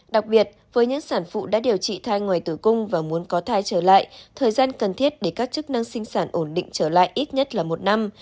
đặc biệt với những sản phụ đã điều trị thai ngoài tử cung và muốn có thai trở lại thời gian cần thiết để các chức năng sinh sản ổn định trở lại ít nhất là một năm